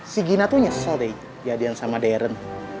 si gina tuh nyesel deh di hadian sama deren